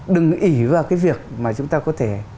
đừng ỉ vào cái việc mà chúng ta có thể